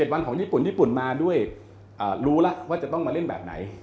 วันของญี่ปุ่นญี่ปุ่นมาด้วยรู้แล้วว่าจะต้องมาเล่นแบบไหน